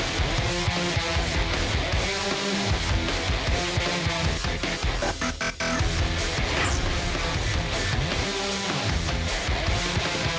โปรดติดตามตอนต่อไป